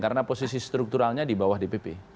karena posisi strukturalnya di bawah dpp